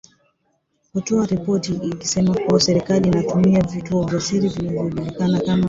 kutoa ripoti ikisema kuwa serikali inatumia vituo vya siri vinavyojulikana kama